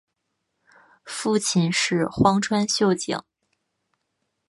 父亲是荒川秀景。